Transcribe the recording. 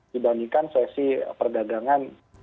dibandingkan sesi perdagangan lalu